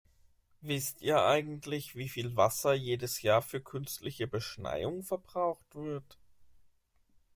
Wisst ihr eigentlich, wie viel Wasser jedes Jahr für künstliche Beschneiung verbraucht wird?